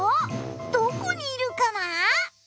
どこにいるかな？